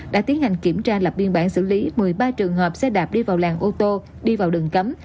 đã tiến hành kiểm tra lập biên bản xử lý một mươi ba trường hợp xe đạp đi vào làng ô tô đi vào đường cấm